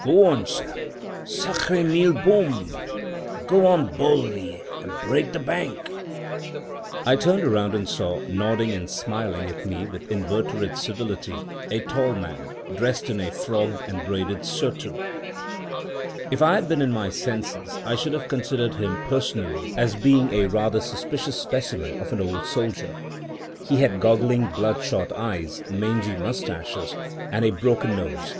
Go on, sir — Sacre mille bombes! Go on boldly, and break the bank!" I turned round and saw, nodding and smiling at me with inveterate civility, a tall man, dressed in a frogged and braided surtout. If I had been in my senses, I should have considered him, personally, as being rather a suspicious specimen of an old soldier. He had goggling, bloodshot eyes, mangy mustaches, and a broken nose.